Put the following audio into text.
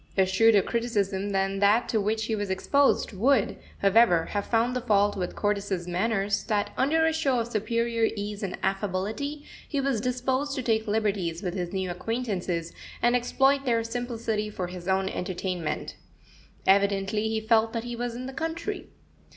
A shrewder criticism than that to which he was exposed would, however, have found the fault with Cordis's manners that, under a show of superior ease and affability, he was disposed to take liberties with his new acquaintances, and exploit their simplicity for his own entertainment. Evidently he felt that he was in the country.